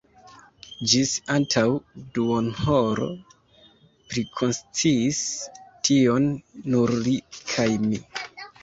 Ĝis antaŭ duonhoro prikonsciis tion nur li kaj mi.